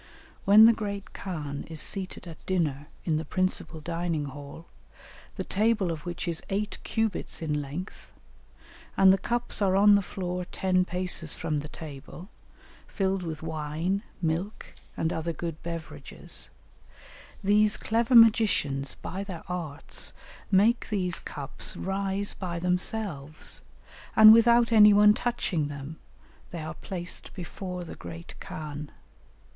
When the great khan is seated at dinner in the principal dining hall, the table of which is eight cubits in length, and the cups are on the floor ten paces from the table, filled with wine, milk, and other good beverages, these clever magicians, by their arts, make these cups rise by themselves, and without any one touching them, they are placed before the great khan.